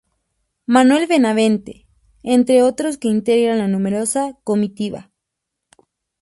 Manuel Benavente, entre otros que integran la numerosa comitiva.